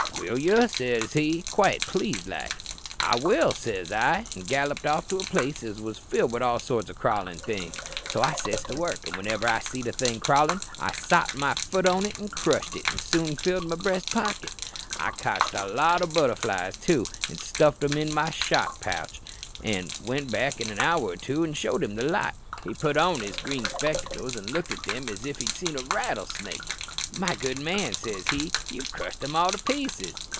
"'Will ye?' says he, quite pleased like. "'I will,' says I, an' galloped off to a place as was filled wi' all sorts o' crawlin' things. So I sets to work, an' whenever I seed a thing crawlin' I sot my fut on it an' crushed it, an' soon filled my breast pocket. I cotched a lot o' butterflies too, an' stuffed them into my shot pouch, an' went back in an hour or two an' showed him the lot. He put on his green spectacles an' looked at them as if he'd seen a rattlesnake. "'My good man,' says he, 'you've crushed them all to pieces!'